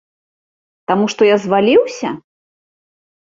Таму, што я зваліўся?